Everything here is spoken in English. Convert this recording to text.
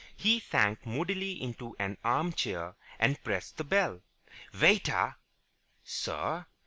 He sank moodily into an arm chair and pressed the bell. "Waiter!" "Sir?"